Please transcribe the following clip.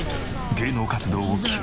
芸能活動を休止。